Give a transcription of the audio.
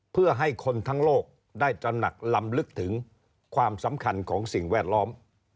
เพื่อให้คนทั้งโลกได้ตระหนักลำลึกถึงความสำคัญของสิ่งแวดล้อม